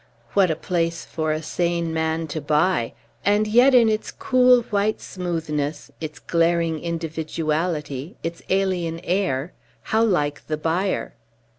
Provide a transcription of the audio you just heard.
What a place for a sane man to buy; and yet, in its cool white smoothness, its glaring individuality, its alien air how like the buyer!